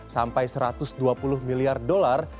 sampai satu ratus dua puluh miliar dolar